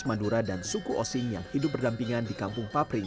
madura dan suku osing yang hidup berdampingan di kampung papri